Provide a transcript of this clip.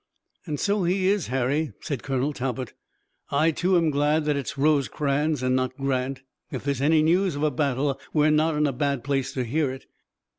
"And so he is, Harry," said Colonel Talbot. "I, too, am glad that it's Rosecrans and not Grant. If there's any news of a battle, we're not in a bad place to hear it.